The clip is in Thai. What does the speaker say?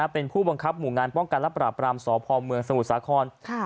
เป็นผู้บังคับหมู่งานป้องกันและปราบรามสพเมืองสมุทรสาคร